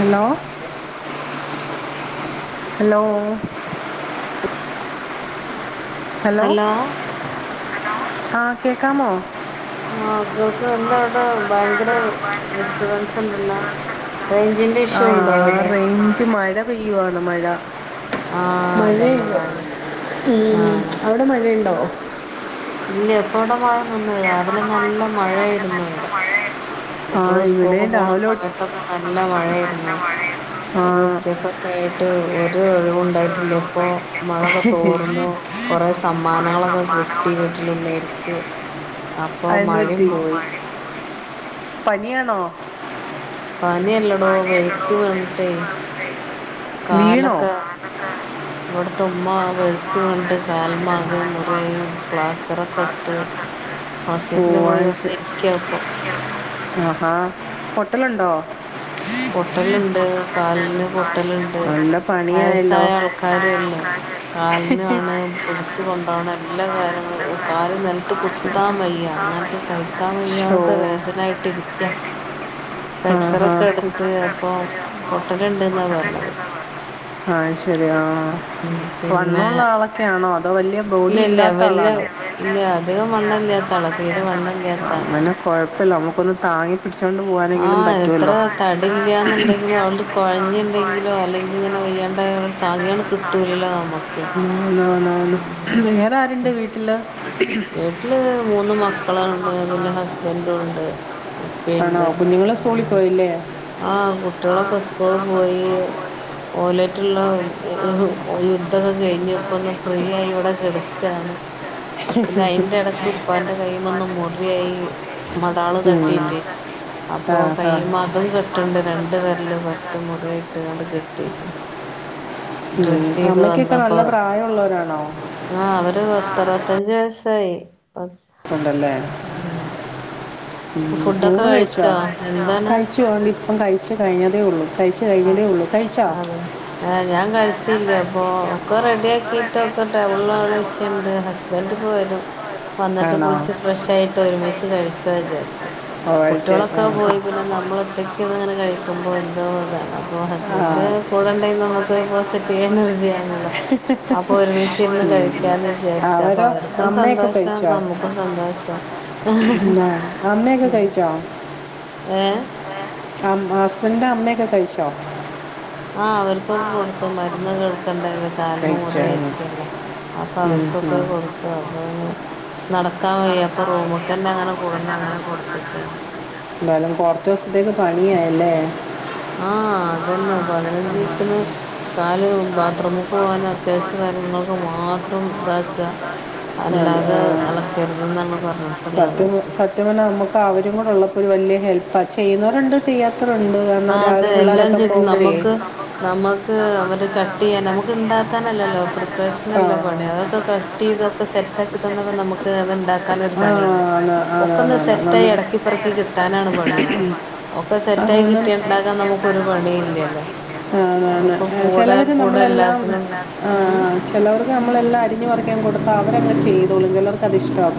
Hello hello hello ആ കേക്കാമോ ആൾക്ക് എന്താ ഇവിടെ ഭയങ്കര ഡിസ്റ്റബൻസ് ഉണ്ടല്ലോ റേഞ്ചിന്റെ ഇഷ്യൂ ഉണ്ടോ അവിടെ ആറേഞ്ച് മഴ പെയ്യുവാണ് ആഹ് മഴേ അതന്നെ ഭയ ഉം ആഹ് മഴ ഉണ്ടോ ഇല്ല എപ്പ ഇവിടെ മഴ നിന്നു രാവിലെ നല്ല മഴയായിരുന്നു ഇവിടെ ആ കുട്ടികള് ഇവിടെ സ്കൂളക്കെ പോണ രാവിലെ തൊട്ട്- സമയത്തൊക്കെ നല്ല മഴയായിരുന്നു പി ആ ഉച്ചക്കൊക്കെ ആയിട്ട് ഒരു ഒഴിവു ഉണ്ടായിട്ടില്ല അപ്പൊ മഴൊക്കെ തോർന്നു കൊറെേ സമ്മാനങ്ങളൊക്കെ കിട്ടി വീട്ടിലുള്ളവർക്ക് അപ്പൊ മഴയും അയെന്തുപറ്റി പോയി പനിയാണോ പനിയെല്ലടോ പനിയല്ലടോ വെഴുക്കി വീണിട്ടേ മരുന്ന് വീണോ കാലൊക്കെ കാലൊക്കെ ഇവിടത്തെ ഉമ്മ ഇവിടുത്തെ ഉമ്മ വഴുക്കി വീണിട്ട് മരുന്ന് വേണ്ടി കാൽമാകെ നാല് മുറിയായി മാസം കൂടെ പ്ലാസ്റ്ററൊക്കെട്ട് ക്ലാസ്സിലൊക്കെ ഉണ്ട് ഓ ഹോസ്പിറ്റലിൽ പോയി അത് ശരി വന്നിരിക്കപ്പൊ ഇരിക്കണം ആഹാ പൊട്ടലുണ്ടോ പൊട്ടലുണ്ട് കാലിന് പൊ ട്ടലുണ്ട് നല്ല പണിയായല്ലോ വയസ്സായ ആൾക്കാരു അല്ലേ കാലിനാണ് പിടിച്ചു കൊണ്ടോണ എല്ലാ കാര്യങ്ങളും ഒ കാല് നെലത്ത് കുത്താൻ വയ്യ അങ്ങൻത്തെ സൈ. - [unintelligible] ഷോ വയ്യാത്തെ വേദനായിട്ടിരിക്ക ആ ആ [unintelligible] അപ്പം പൊട്ടല്ണ്ട്ന്നാ പറഞ്ഞത് ആഹ് ശരിയാ ആഹ് വണ്ണുള്ള ആളൊക്കെയാണോ ഇല്ല്യ ഇല്ല്യ വല്ല്യ ഇല്ല അധികം വണ്ണല്ല്യാത്താള തീരെ വണ്ണില്ലാത്ത വണ്ണല്ല്യാത്ത ആളൊക്കെയാണ് അങ്ങനെ കൊഴപ്പല്ല്യ നമ്മുക്കൊന്ന് താങ്ങി പിടിച്ച് ആ എത്ര തടില്ലാന്നുണ്ടെങ്കിലും തടിയില്ല ആൾള് ഉണ്ടെങ്കിലും അവൾക്ക് കൊഴഞ്ഞിണ്ടെ- ങ്കിലോ അല്ലങ്കി ഇങ്ങനെ കുഴഞ്ഞില്ലെങ്കിലും വെയ്യാണ്ടായാളെ ണ്ട് താങ്ങ്യാണ്ട് കിട്ടൂല്ലല്ലോ ന്നമ്മക്ക് [unintelligible] വേറാരുണ്ട് വീട്ടില് വീട്ടില് മൂന്ന് എനിക്ക് മൂന്ന് മക്കളുണ്ട് പിന്നെ മക്കളാണ് ഹസ്ബൻ്റുണ്ട്. ആണോ ഉപ്പിണ്ട് കുഞ്ഞുങ്ങള് സ്കൂളിൽ ഉമ്മണ്ട് പോയില്ലേ ആ ആ കുട്ടിയളൊക്കെ സ്കൂള് കുട്ടികളൊക്കെ പോയീ. സ്കൂളിൽ പോയി ഓലേറ്റ്ള്ള കോളേജിലുള്ള യുദ്ധൊക്കെ പുസ്തകം കഴിഞ്ഞ്പ്പൊന്ന് ഫ്രീ കഴിച്ച് ആയി ഇവിടെ കുളിയൊക്കെ ഇവിടെ എടുക്കാണ് കിടക്കുക പിന്നെ അയിന്റെടക്ക് ലൈറ്റ് ഉപ്പാന്റെ അടച്ച് കൈമന്ന് ഉപ്പാൻ്റെ കയ്യുമ്മെ മുറിയായി തൊട്ടോണ്ടിയായി മടാള് തട്ടീട്ടേ അതാണ് കണ്ടീന് അപ്പോ ആഹ് ആഹ് കയ്യിമ്മെ അതും കെട്ട്ണ്ട് ര മദ്രസ അടുത്തുണ്ട് ണ്ട്വെര്ല് രണ്ട് പറ്റ കെട്ടിടം മുറിയിട്ട്ണ്ട് കട്ട പെയ്ക്ക്ണു ഉം ഡ്രസ്സയ്ത് അമ്മയ്ക്കൊക്കെ വന്നപ്പോ നല്ല പ്രായമുള്ളവരാണോ ആ അവര് പത്ത റുപത്തഞ്ച് വയസ് ശയ് ഉം ഉണ്ടല്ലേ ഉം ഫുഡൊക്കെ ഊണ് കഴിച്ചോ എന്താണ് കഴിച്ചു ണ്ട് ഇപ്പം കഴിച്ച് കഴിഞ്ഞതേ ഒള്ളൂ കഴിച്ച് കഴിഞ്ഞതേ ആഹ് ഒള്ളൂ അതെ ഏഹ് ഞാൻ ഞാൻ കഴിച്ചില്ലാഅപ്പൊ കഴിച്ചില്ല ഒക്കെ അപ്പോൾ ഒക്കെ റെഡിയാക്കിട്ട് റെഡി ഒക്കെ ആക്കിയിട്ട് ഒക്കെ ടേബിളടെ ണ്ട് ടൗണിലാണ് ഹസ്ബൻ് ഇപ്പോ വരും വന്നിട്ട് ആണോ കുളിച്ച് ഫ്രഷായിട്ട് ഒരുമിച്ച് കഴിക്കുക വിചാരിച്ച ഓ അത് ശരി കുട്ടിയളൊക്കെ പോയി പിന്നെ നമ്മൾ ഒറ്റക്ക് ഇരുന്നിങ്ങനെ കഴിക്കുമ്പോ എന്തോ ഇതാണ് അപ്പോൊ ആ ആ ഹസ്ബൻഡ് കൂടെണ്ടെിൽ നമുക്കൊരു പോസിറ്റീവ് എനർജിയാണല്ലോ അപ്പൊ ഒരുമിച്ചച്ച്ിരുന്ന് ഉം. കഴിക്കാന്ന് വിചാരിച്ച് അപ്പൊ അവരോ അവർക്കും അമ്മയൊക്കെ സന്തോഷം കഴിച്ചോ നമ്മുക്കും സന്തോഷം ഹ ആ, ഹ അമ്മയൊക്കെ കഴിച്ചോ ഏ ഹസ്ബൻഡിന്റെ അമ്മയൊക്കെ കഴിച്ചോ ആ അവർക്കൊക്കെ കൊടുത്ത് മരുന്ന്എടുക്കണ്ടല്ലേ കാൽമെ കഴിച്ചാണ് മുറിയായിരിക്കല്ലേ അപ്പൊ ഉം, അവർക്കൊക്കെ ഉം. കൊടുത്തു അപ്പൊ [unintelligible] നടക്കാൻ വയ്യ അപ്പൊ നടക്കാൻ വയ്യ റൂമ്ക്കന്നെ അപ്പൊ അങ്ങനെ റൂമിൽ തന്നെ കൊടുന്ന് അങ്ങനെ പോകുന്നു അങ്ങനെ കൊടുത്ത്ക്കാണ് പോകുന്നു എന്തായാലും കുറച്ച് ദിവസത്തേക്ക് പണിയായല്ലേ ആ അതന്നെ പതിനഞ്ചീസത്തിന് [inaudible] ആ കാര്യങ്ങൾക്ക് മാത്രം ഇതാക്ക അല്ലാതെ ആ എളക്കരുതെന്നാണ് പറഞ്ഞിട്ടുള്ളത് സത്യ സത്യപർഞാ നമ്മക്ക് അവരും കൂടെ ഉള്ളപ്പോ വല്യ ഹെൽപ്പ ചെയ്യുന്നവരുണ്ട് ചെയ്യാത്തവരു ആ അതെ എല്ലാം ചെയ്ത് നമക്ക് നമക്ക് അവര് കട്ടെയ്യാൻ നമുക്ക് ഉണ്ടാക്കാ അല്ലല്ലോ ആ പ്രിപ്രേശനല്ല പണി അതൊക്കെ കട്ടീതൊ സെറ്റാക്കി തന്ന നമുക്ക് നമ്മൾ തെറ്റാക്കി അത്ണ്ടാക്കാനൊരു തന്നത് നമുക്ക് ആ പണില്ല്യ ആണ് ആണ് ആണ് ഒക്കൊന്ന് ആണ് സെറ്റായി നമ്മുടെ അടക്കി പെറ്ക്കി കിട്ടാ ക്കാനാണ് തെറ്റായി ഇറക്കി പറക്കി കിട്ടാനാണ് പണിയുള്ളൂ ഒക്കെ മാത്രം. സെറ്റായി അതാണ് കിട്ടിയാ തെറ്റായി ഇണ്ടാക്കാൻ നമുക്കൊരു പണീല്ല്യല്ലോ ആ ചെലവര് നമ്മളെല്ലാം എല്ലാത്തിനും ആ ഉം ചെലവർക്ക് നമ്മളെല്ലാം അരിഞ്ഞ് പറിക്കി ആ കൊടു അപ്പവരങ്ങ് ചെയ്തോളും ചിലർക്കത് ഇഷ്ടാവും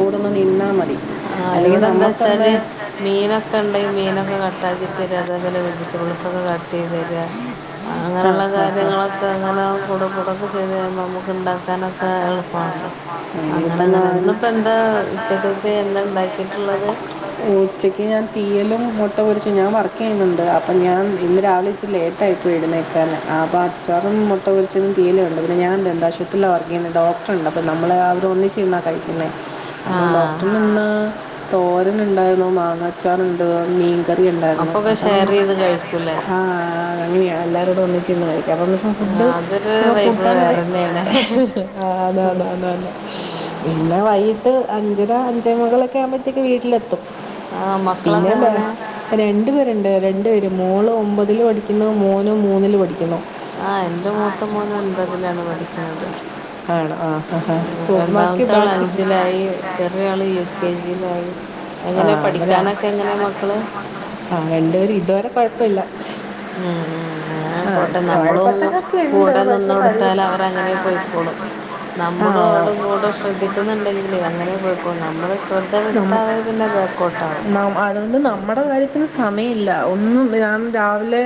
ആഹ ഇവിടെന്താ നമുക്കൊന്ന് വച്ചാല് അല്ലാതെ മീനൊക്കെ ഉണ്ടെ ചെയ്യാൻ മീനൊ ക്കെ സമയം കട്ടാക്കി ചെയ്യണമെന്ന് തര പറഞ്ഞാൽ അതേപോലെ വെജിറ്റബിൾസ് ഒക്കെ കട്ട് ചെയ്ത് തര ആ അങ്ങനെയുള്ള ആ ആ കാര്യങ്ങളൊക്കെ അങ്ങനെ കാര്യങ്ങളൊക്കെ കൂടെ അങ്ങനെ കൂടൊക്കെ ചെയ്ത് തരുമ്പോൾ നമുക്ക് ഉണ്ടാക്കാനൊ ക്കെ ഉണ്ടാക്കാനൊക്കെ എളുപ്പമാണല്ലോ അങ്ങനെ അങ്ങനെ ഇന്ന് ഇപ്പെന്താ [unintelligible] ഉച്ചക്ക് ഞാൻ തീയലും മുട്ടപൊരിച്ച ഞാൻ വർക്കെയ്യുന്നുണ്ട് അപ്പം ഞാൻ ഇന്ന് രാവിലെ ഇച്ചിരി ലേറ്റ് ആയി പോയി എഴുന്നേക്കാന് അപ്പോം അച്ചാറും മു ട്ടപൊരിച്ചതും തീയലൂണ്ട് പിന്നെ ഞാൻ ദന്താശുപത്രിയില വർക്കയ്യുന്നെ ഡോക്ർ ഒക്കെണ്ട് നമ്മള് അവര് ഒന്നിച്ചിരുന്നാ കഴിക്കുന്നേ [unintelligible] ആഹ് [unintelligible] ണ്ടായിരുന്നു മാങ്ങാച്ചാറുണ്ട് മീൻ കറിയിണ്ടായിരുന്നും അപ്പൊക്കെ ഷെയർ ചെയ്ത് കഴിക്കൂലേ [unintelligible] ആ അങ്ങനെയാ എല്ലാരോടും ഒന്നിച്ചിരുന്ന് ആഹ് കഴിക്ക അതൊരു വൈബ് വേറെന്നെയാണ് [unintelligible] [unintelligible] ആഹ് [unintelligible] ആഹ് പിന്നെ വൈകിട്ട് അഞ്ചര അഞ്ചേ മുകളൊക്കെ ആവുമ്പത്തേക്ക് വീട്ടിലെത്തും ആഹ് മക്കളൊക്കെ പിന്നെ എങ്ങനെ രണ്ട് പേ രിണ്ട രണ്ടുവേരും മോളൊമ്പതില് പഠിക്കുന്നു മോനു മൂന്നില് പഠിക്കുന്നു. ആ എന്റെ മൂത്ത എന്റെ മോന് മൂത്ത മോന് ഒൻപതിലാണ് ഒൻപതിലാണ് പഠിക്കണത്. പഠിക്കുന്നത്. ആണ് ആ ആ ഓ, ബാക്കി രണ്ടാമത്തെ ആള് ബാക്കി അവൻ അഞ്ചിലായി ചെറിയ ആള് യു ചെറിയ കെ ജി. ജിലായി. ആള് ആ അവരാ [unintelligible] ആ രണ്ട്പേരും ഇതുവരെ കൊഴപ്പല്ല്യ [inaudible] ഉം ഉ അങ്ങനെ പോട്ടെ നമ്മളും വാഴപ്പത്തക്കൊക്കെ ഉണ്ട് കൂടെ നിന്നു പക്ഷെ പരി കൊടുത്താല് അവരങ്ങനെ പോയിക്കോളും. ആ നമ്മടു അവർടെ കൂടെ ശ്രദ്ധിക്കുന്നുണ്ടെങ്കിലേ അങ്ങനെ പോയിക്കോളു നമ്മള് ശ്രദ്ധ നമ്മ വിട്ടാ അവർ നം അതുകൊണ്ട് നമ്മുടെ കാര്യത്തിന് സ സമയില്ല ഒന്നും [unintelligible] രാവിലെ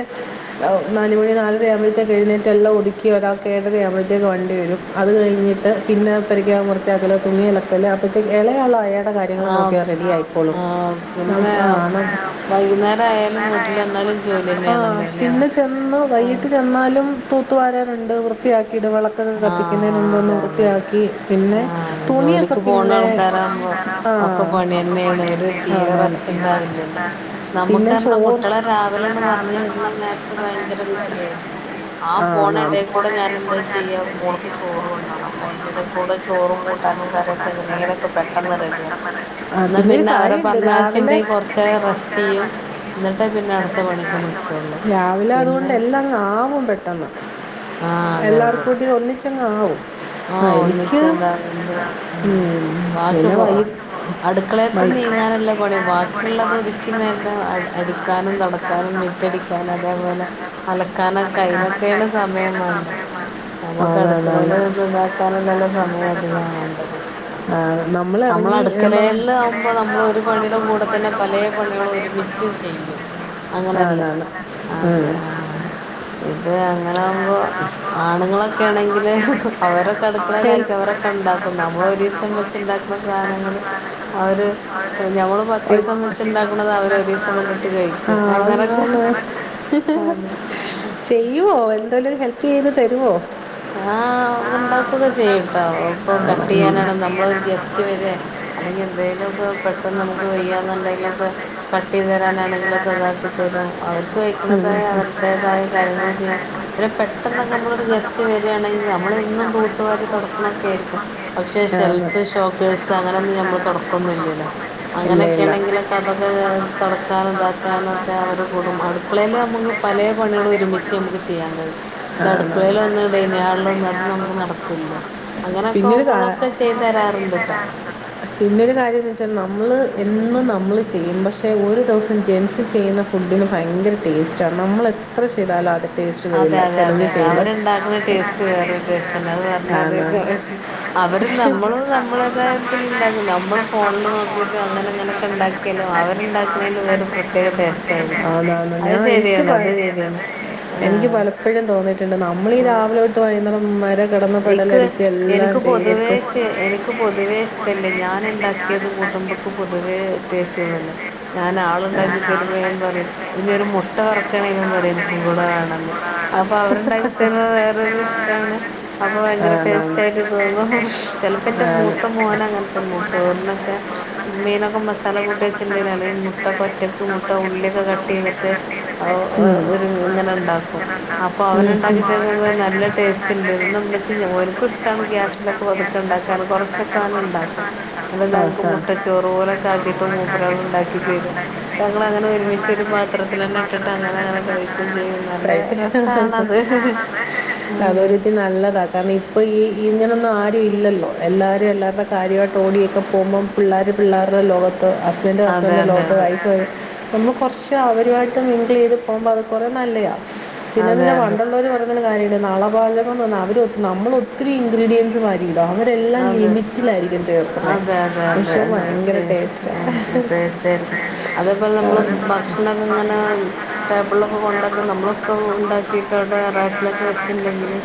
ഔ നാലുമണി നാലര ആവുമ്പഴത്തേക്ക് എഴുന്നേറ്റ് എല്ലാം ഒതുക്കി ഒരാൾക്ക് ഏഴര ആമ്പഴത്തേക്ക് വണ്ടി വരും അത്കഴി ഞ്ഞിട്ട് പിന്നെത്തരിക്ക വൃത്തിയാക്കലു തുണിയലക്കല്ല അപ്പോഴത്തേക്ക് ഇളയാള് അയാടെ കാര്യങ്ങൾ ആ നോ ക്കിയ റെഡി ആയിക്കോളും ആ അ പിന്നെ ആ ന്ന വൈകുന്നേരം ആയാലും വീട്ടിൽ വന്നാലും ജോലി ആ തന്നെയാണല്ലോ അല്ലേ പിന്നെ ചെന്ന് ആ വൈകിട്ട് ചെന്നാലും തൂത്ത് വാരാനുണ്ട് വൃത്തിയാ കിടു വെളക്ക് കത്തിക്കുന്നേന് ആഹ് മുമ്പ ഒന്നു അതെ അതെ വൃത്തിയാക്കി പിന്നെ ആഹ് തുണിയൊക്കെ ജോലിക്ക് പോണ പിന്നെ ആ [unintelligible] വരെ തീരെ റസ്റ്റ്‌ ഇണ്ടാവില്ലല്ലോ റെസ്റ്റ്ണ്ടാവലില്ല പിന്നെ നമ്മുക്കെന്നും ചോറ് കുട്ട്യേളെ കുട്ട്യാളെ രാവിലണ്ട് പറഞ്ഞ് രാവിലെന്ന് [unintelligible] ആ നേരത്ത് പറഞ്ഞയക്കുമ്പോ ഭയങ്കര നേരത്തെ ബിസി ഭയങ്കര ആയിരിക്കും ബിസി ആ പോണ ഇടേകൂടെ ഞാനെന്താ ഫോണെടേകൂടെ ച്ചെ ചെയ്യ ഞാനെന്താ മോൾക്ക് ചെയ്യാ ചോറു ഫോണ് കൊണ്ടോണം അപ്പൊ അയിന്റെ എടെകൂടെ അയിന്റെ ഇങ്ങനെ ചോറും കുറെ കൂട്ടാനും ചോറും കൂട്ടാനും കറിയൊക്കെ കറിയൊക്കെങ്ങനെന്നൊക്കെ പെട്ടന്ന് എന്തെങ്കിലുമൊക്കെ റെ പെട്ടെന്ന് ഡിയാക്കും. റെഡി ആ ന്നാ ഒരു പിന്നെ അവരെ കാര്യമുണ്ട് രാവിലെ പറഞ്ഞെയച്ചിണ്ടേൽ കൊറച്ച് എന്തെങ്കിലും കുറച്ച് റെസ്റ്റെയ്യും റെസ്റ്റ് ചെയ്യും ന്നിട്ടേ പിന്നെ എന്നിട്ട് അടുത്ത പണിക്ക് നി എന്തെങ്കിലും രാവിലെ അതുകൊണ്ട് എല്ലാങ്ങാവും പെട്ടെന്ന് ആ അതെ അതെ ഒന്നിച്ചങ്ങാവും. ആ ഒന്നിച്ചന്നെ അങ്ങട് ഉം പിന്നെ വാക്ക്പോ വൈകി അടു ക്കളേത്തെ വൈ നീങ്ങാനല്ല പണിയ ശ്രദ്ധിക്കാനല്ല പണി വാക്കിള്ളത് ഒതുക്കി ബാക്കിയുള്ളത് [unintelligible] നിൽക്കുന്നതന്നെ അടിക്കാനും അടിക്കാനും തൊടക്കാനും നടക്കാനും മെറ്റടിക്ക അതേപോലെ തിരിച്ചടിക്കാനല്ല അലക്കാനൊക്കെ അലക്കാനല്ല അയിനൊക്കെയാണ് സമയം ഇന്നത്തേടെ വേണ്ടത് സമയമാണ് നമ്മക്ക് ആണാണാണ് അടുക്കളയില് നന്നാക്കാനല്ലല്ലോ ഇതാക്കാനും തന്നെ സമയധികം സമയം വേണ്ടത് ആ നമ്മൾ ഇറങ്ങി നം നമ്മളടുക്കളേല് ആവുമ്പോ ഇടയൊക്കെ നമ്മള് ഒരു ആകുമ്പോൾ പണിടെ നമ്മൾ ഒരു കൂടെ തന്നെ പണിയുടെ പലേ കൂടെ തന്നെ പല പണികളും ഒരുമിച്ച് പണികളും ചെയ്യും ഒരുമിച്ച് ചെയ്യും. അങ്ങനല്ലേ ആണാണ് അതെ ഉം ആ ഇത് അങ്ങനെ ആവുമ്പോ ആകുമ്പോ അപ്പൊ ആണുങ്ങളൊക്കാണെങ്കില് ആണുങ്ങളൊക്കെ ആണെങ്കിൽ അവരൊക്കെ അവരെ ഹെൽ- അടുക്കളയിലാക്കിയ അടുക്കളയിൽ അവരൊക്കെ ഉണ്ടാക്കും അഞ്ഞൂറൊക്കെ നമ്മള് ഉണ്ടാക്കും ഒരീസം നമ്മൾ ഒരു ദിവസം വെച്ചിണ്ടാക്കണ വെച്ചുണ്ടാക്കുന്ന സാധനങ്ങള് സാധനങ്ങൾ അവര് അവര് ഞമ്മള് ഒരു- പത്തീസം നമ്മൾ പത്ത് ദിവസം വെച്ചിണ്ടാക്കണത് വെച്ചുണ്ടാക്കുന്നത് അവരൊരീസം അവർ ഒരു കൊണ്ടിട്ട് ദിവസം കഴിക്കും ആ കൊണ്ടുവരും. അങ്ങനെയൊക്കെ അതാണ് ചെയ്യുവോ എന്തേലും ഹെൽപ് ചെയ്ത് തരുവോ ആണോ? ആ ഇണ്ടാക്കൊക്കെ ചെയ്യൂട്ടോ ഇപ്പൊ ഉം. ഉം, ഉം, ഉം. കട്ടെയ്യാനാണ് നമ്മളെ ഒരു ഗസ്റ്റ് വരെ അല്ലെങ്കിൽ എ എതലും ഒക്കെ പെട്ടെന്ന് നമുക്ക് വെയ്യാന്നുണ്ടെങ്കിലൊക്കെ കട്ട് ചെയ്ത് തരാനാണെങ്കിലൊക്കെ ഇതാക്കി തരും അവർക്ക് വെക്കണതായ അവരുടേതായ കാര്യങ്ങൾ ചെയ്യും പിന്നെ പെട്ടെന്നക്കെ നമ്മളറ്റ് വണെങ്കിൽ നമ്മള പെട്ടെന്നൊക്കെ ആണെങ്കിൽ ഇന്നും നമ്മളെത്ര തൂത്തുപാരി നോക്കുവാനും തുടക്കണംൊക്കെ നമുക്ക് ആയിരിക്കും ആന്ന് പക്ഷെ െഫ് ഷോക്കേഴ് ഡെലിവറി അങ്ങനെ ഡോക്ടേഴ്സ് നമ്മള് തുടക്കൊന്ന നമുക്ക് ഇല്ലല്ലോ ഉറപ്പാൻ പറ്റില്ല ഇല്ല ഇല്ല അങ്ങനൊക്കൊണെങ്കിലൊക്കെ അങ്ങനെയൊക്കെ അതൊക്കെ ആണെങ്കിൽ നമുക്ക് തുടക്കാനും സർക്കാർ ഇതാക്കാനും ഒക്കെ അവർ സർക്കാരൊക്കെ കൂടും അവരുടെ അടുക്കളയില് കുടുംബം നമ്മുക്ക് അടുക്കളയിൽ പല നമുക്ക് പണികൾ പല ഒരുമിച്ച് പണികളും നമുക്ക് ചെയ്യാൻ കഴിയും ഒരുമിച്ച് ഇത് ആണാണ് അടുക്കളയിൽ വന്ന ഇടെ അടുക്കളയിലൊന്നും ഇനയാളില ഒന്നും അത് ഇടയിലാളും നമുക്ക് നഷ്ടമൊന്നും നടക്കല്ലോ നടക്കും അങ്ങനെൊക്കെ പിന്നൊരു ആവുമ്പോഴൊക്കെ ചെയ്തു തരാറുണ്ട്ട്ടോ പിന്ന കാര്യംന്ന് വച്ചാൽ നമ്മൾ എന്നന്ന് നമ്മള് ചെയ്യും പക്ഷെ ഒരു ദിവസം ജെൻറ്സ് ചെയ്യുന്ന ഫുഡിന് ഭയങ്കര ഭയങ്കര ടേസ്റ്റാണ് നമ്മൾ എത്ര ചെയ്താലും അദ്യ അതെ അതെ അതെ അതെ അവരുണ്ടാക്കുന്ന ടേസ്റ്റ് അവരുണ്ടാക്കുന്ന വേറൊരു ടേസ്റ്റ് തന്നെ അത് വേറെ ആണ് ആണ് പറഞ്ഞ അവര അവര് നമ്മൾ നമ്മള നമ്മളും യഥാത്തിൽ നമ്മളുടെ ഉണ്ടാക്കുന്നു നമ്മള് ഫോണില് നമ്മൾ ഫോണിൽ നോക്കിട്ടും അങ്ങനെ അങ്ങനെൊക്കെ ഉണ്ടാക്കിയാലും അവരുണ്ടാക്കണേല് വേറ പ്രത്യേക ടേസ്റ്റ് ആയിരിക്കും ആണാണ് അത് ഞാൻ എനിക്ക് ശരിയാണ് അത് പ- ശരിയാണ് എനിക്ക് ആഹ് പലപ്പോഴും തോന്നിയിട്ടുണ്ട് നമ്മൾീഈ രാവിലെ തട്ട് വൈകുന്നേരം മര എനിക്ക് എനിക്ക് പൊതുവേക്ക്െ പൊതുവേ എനിക്ക് പൊതുവേ ഇഷ്ടല്ലേ ഞാന ഉണ്ടാക്കിയത് കൂട്ടുമ്പൊക്ക് പൊതുവേ ടേസ്റ്റ് തന്നല്ലോ ഞാൻ ആൾുണ്ടാക്കി ഞാൻ തരുമ്പോ ഞൻ ആളുണ്ടാക്കിയ പറയും ഇ ൊ ഒരു ടൈപ്പാണ് മുട്ട ഞാൻ മുട്ട പറക്കയാണെങ്കലും പറയാ എനിക്കും വറുക്കണെങ്കിലും കൂടെ പറയും വേണെന്ന് ഉള്ളതാണ് അപ്പൊ അവരുണ്ടാക്കി അപ്പൊ തരുന്നെ അവരുടെ വേറെ വേറൊരു ഇഷ്ടമാണ് ഇഷ്ടാണ് ആന്ന് അപ്പൊ നമ്മൾ ഭയങ്കര ആന്ന്. ടേസ്റ്റായിട്ട് ഭയങ്കര തോന്നും ടേസ്റ്റ് ആയിട്ട് തോന്നും ചെലപ്പെന്റെ ആന്ന്. മൂത്ത ചിലപ്പോ മോന എന്റെ മൂത്ത അങ്ങനെത്തന്നെ മോനെ ചോറിനൊക്കെ കണ്ടിട്ടുണ്ട് ചോറിനൊക്കെ മീനൊക്കെ മസാല കൂട്ടി മീനൊക്കെ മസാല വച്ച്ണ്ടേല് കൂട്ടി അല്ലേല് വെച്ചിട്ടില്ലേ മുട്ടക്കെ ഒറ്റക്ക് മുട്ട കൊച്ചിനൊക്കെ ഉള്ളിയൊക്കെ മുട്ട ക ഉള്ളിയൊക്കെ ട്ടെയ്ത്ട്ട് കട്ട് ചെയ്തിട്ട് അവു ഉം. ഒരു ആ, ഇങ്ങനെ ഒരു ഇണ്ടാക്കും ഇങ്ങനെ ഉണ്ടാക്കും അപ്പൊ ഉം, ഉം. അവനുണ്ടാക്കി അപ്പൊ തര്ന്നപ്പോലെ നല്ല ടേ അവരുണ്ടാക്കിട്ടുള്ളത് നല്ല സ്റ്റണ്ടേന്നു ഇന്നാ ടേസ്റ്റ് ഉണ്ട് ഇമ്മച്ചീനെ ഓൽക്കും ഇഷ്ടാണ് ഇതൊക്കെ പ്രശ്നം ഗ്യാസിലൊക്കെ ഞാൻ [unintelligible] ഇണ്ടാക്കാന് കുറച്ചൊക്കെ പുറത്തുണ്ടാക്കാൻ കുറച്ചൊക്കെ അവനുണ്ടാക്കും അല്ല വന്നിട്ടാണ് ഞങ്ങക്ക് ആ ആ മുട്ടച്ചോറു പോലൊക്കെ മുട്ടച്ചോറ് ആക്കിട്ട് കൂടെ മൂപ്പരാൾ കാട്ടിട്ട് ഉണ്ടാക്കി മൂപ്പുരം തരും ഉണ്ടാക്കിയിട്ട് ട്ടങ്ങള് അങ്ങനെ ഞങ്ങൾ ഒരുമിച്ചൊരു അങ്ങനെ പാ വലിയ ചെറു ത്രത്തിലന്നെ ഇട്ടിട്ട് അങ്ങനെ പാത്രത്തിലെല്ലാം അങ്ങനെ ഇട്ടിട്ട് കഴിക്കു അങ്ങനെ ചെയ്യും നല്ല രസാണത് ഉം അതൊരുതില് നല്ല താ കാരണം ഇപ്പ ഈ ഇങ്ങനൊന്നും ആരും ഇല്ലല്ലോ എല്ലാരും എല്ലാവരുടെ കാര്യവായിട്ട് ഓടിയൊക്കെ പോവുമ്പൊ പിള്ളേർ പിള്ളേരുടെ ലോകത്ത് ഹസ്ബൻഡ് അതെ ഹസ്ബന്റ്ന്റെ അതെ ലോകത്ത് അതെ വൈഫ് ഒന്ന് കൊറച്ച് [unintelligible] അവരുവായിട്ട് മിങ്കിളെയ്ത് പോവുമ്പളത് കൊറേ നല്ലയാ പിന്നെ അതെ പിന്നെ അതെ പണ്ടുള്ളോര് പറയുന്നൊരു കാര്യം പിന്നെ നളപാചകം എന്ന് പറ്ഞ്ഞാ അവര് ഒ നമ്മള ഒത്തിരി ഇൻഗ്രീഡിയൻറ്സ് വാ ഇണ്ടാവും അവരെല്ലാം അതെ ലിമിറ്റിലായിരിക്കും ചേർക്കുന്നെ അതെ അതെ പക്ഷേ ഭയങ്കര ടേസ്റ്റാ ടേസ്റ്റായിരിക്കും അതേപോലെ നമ്മള് ഭ ക്ഷണങ്ങനെ ടേബിള്ളൊക്കെ കൊണ്ടക്ക് നമ്മളൊക്കെ ഉണ്ടാക്കീട്ട് ആടെ റാക്കിലൊക്കെ വെച്ചിട്ടണ്ടേ ല്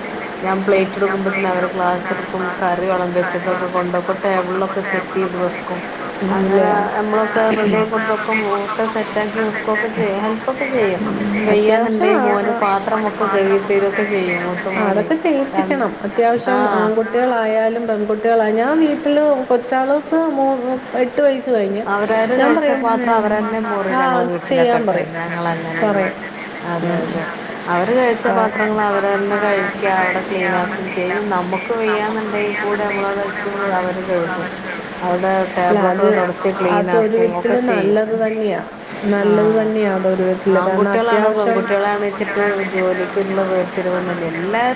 ഞാൻ പ്ലേറ്റ് എടുക്കുമ്പോത്തിന് അവര് ഗ്ലാസ് എടുക്കും കറി വളമ്പി വെച്ചതൊക്കെ കൊണ്ടോക്കും ടേബിളിലൊക്കെ സെറ്റെയ്ത് ടേബിളിലൊക്കെ സെറ്റ് വെക്കും ചെയ്തു അങ്ങനെ ഇല്ലേ നമ്മളൊക്കെ റെഡിയാക്കി കൊടുത്തൊക്കെ അങ്ങനെ ഒക്കെ കൊണ്ടൊക്കെ സെറ്റാക്കി വെക്കുവൊക്കെ ചെയ്യും ഹെല്പ്പൊക്കെ ചെ യ്യും അത്യാവശ്യം വെയ്യാന്നുണ്ടേ ആ- മോന ആ- പാത്രമൊക്കെ കഴുക്കിത്തരും ഒക്കെ ചെയ്യും ആ, മൂത്തമോനെ അതൊക്കെ ര ചെയ്യിപ്പിക്കണം അത്യാവശ്യം ആൺകുട്ടികളായാലും പെൺകുട്ട്യേളാ ഞാൻ വീട്ടില് കൊച്ചാൾക്ക് [unintelligible] കഴിഞ്ഞ് അവരാര് ഞാൻ പറയും കഴിച്ചപ്പാത്രം "ഉം, അവരെന്നെ മോറും ആ ഞങ്ങള് ചെയ്യാൻ വീട്ടിലൊക്കട്ടെ പറയും ഞങ്ങളങ്ങനേണ് പറയും അതെ ഉം. അതെ അവര് കഴിച്ച ആ. പാത്രങ്ങള് അവരുടെ അവരന്നെ പാത്രങ്ങൾ കഴിക്ക അവരവരുടെ അവിടെ കഴിക്കുക അവിടെ ക്ലീനാക്കു ചെയ്യാം ചെയ്യും ന നമ്മുക്ക് നമുക്ക് വെയ്യാന്നുണ്ടേ കൂടെ നമ്മള് വയ്യാന്നുണ്ടെങ്കിൽ അവിടെ കൂടെ നമ്മൾ വെച്ചാപ്പോ അവര് കഴുക്കും അവിടെ അല്ല ടേബിളൊക്കെ അത് തൊ ടച്ച് ക്ലീൻ അതൊരു ആക്കും വിധത്തിൽ ഒക്കെ ചെയ്യും നല്ലത് തന്നെയാ നല്ലത് ആഹ് തന്നെയാ അതൊരു വിധത്തിൽ കാരണം ആൺകുട്ടികളാണ് അത്യാവശ്യം പെൺകുട്ടികളാണ് വെച്ചിട്ട് ജോലിക്കുള്ള വേർതിരുവൊന്നു എല്ലാര്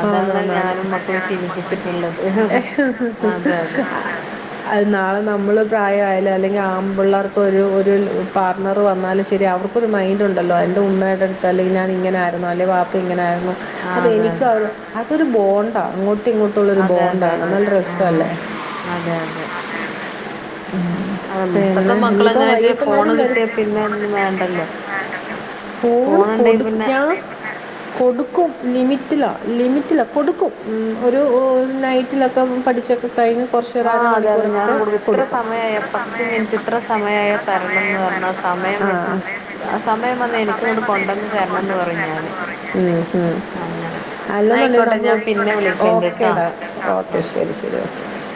അതാണ് ഞാനും മക്കളെ ശീലിപ്പിച്ചിട്ടുള്ളത്. അതെ അതെ അഹ് നാളെ നമ്മള് പ്രായയാലൊ അല്ലെങ്കി ആൺപിള്ളേർക്ക് ഒരു ഒരു പാർട്ണർ വന്നാല് ശരിയാ അവർക്കൊരു മൈന്റുണ്ടല്ലോ അയിന്റെ [unintelligible] എടുത്താല് ഞാൻ ഇങ്ങനായിരുന്നു അല്ലെ വാപ്പ ഇങ്ങനായിരുന്നു ആ അപ്പോൾ അതെ എനിക്ക് ആ ഒരു അതൊരു ബോണ്ടാണ് അ അങ്ങോട്ട് ഇങ്ങോട്ടുള്ളൊരു അതെ അതെ അതെ ബോണ്ടാണ് അതെ നല്ല ആ രസല്ലേ അതെ അതെ ഉം അതെ ഇപ്പത്തെ പിന്നെ മക്കള് ഇനിപ്പ എങ്ങനെച്ച വൈകിട്ട് ഫോണ് എല്ലാരും വരും കിട്ടിയ പിന്നെ ഒന്നും വേണ്ടല്ലോ ഫോൺ ഫോണുണ്ടെങ്കി കൊടു പിന്നെ ഞാൻ കൊടുക്കും ലിമിറ്റിലാ ലിമിറ്റിലാ കൊടുക്കും ഉം ഒരു നൈറ്റിലൊക്കെ പഠിച്ചൊക്കെ കഴിഞ്ഞ് കുറച്ച് ഒരു ആ അതെ അതെ അരമണിക്കൂറൊക്കെ ഞാനും കൊടുക്കും ഇത്ര സമയ ആയ ഇത്ര പത്ത് സമയായ മിനിറ്റ് പത്ത് ഇത്ര സമയ മിനിറ്റ് ആയ ഇത്ര സമയായ തരണന്ന് പറ് ന്ന തരണംന്ന് സമയം പറഞ്ഞു വെച്ച് സമയം ആ സമയം വെച്ച് ആ വന്ന സമയം എനിക്കിങ്ങട്ട് വന്ന് കൊണ്ടന്ന് എനിക്കിങ്ങട് തരണം പ കൊണ്ടന്ന് ഉം ഉം അങ്ങനെ എന്നാ അല്ലന്നുണ്ടെ ആയിക്കോട്ടെ നമ്മള് ഞാൻ പിന്നെ വിളിക്കണ്ട്ട്ടോ ഓക്കെടാ ഓക്കെ ശരി ശരി ഓക്കെ